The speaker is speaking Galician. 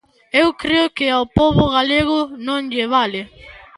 Eu creo que ao pobo galego non lle vale.